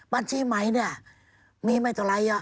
บัญชีใหม่เนี่ยมีไม่ต่อไรอ่ะ